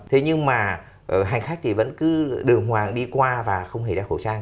thế nhưng mà hành khách thì vẫn cứ đường hoàng đi qua và không hề đeo khẩu trang